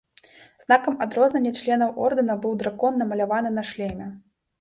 Знакам адрознення членаў ордэна быў дракон, намаляваны на шлеме.